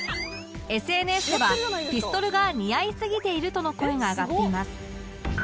ＳＮＳ では「ピストルが似合いすぎている」との声が上がっています